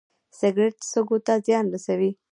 سګرټ سږو ته زیان رسوي